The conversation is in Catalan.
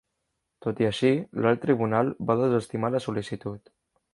Tot i així, l'Alt Tribunal va desestimar la sol·licitud.